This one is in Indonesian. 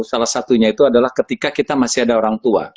salah satunya itu adalah ketika kita masih ada orang tua